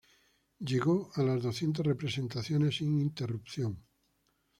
Llegó a las doscientas representaciones sin interrupción.